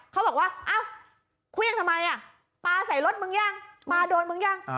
เขาบอกว่าอ้าวเครื่องทำไมอ่ะปลาใส่รถมึงยังปลาโดนมึงยัง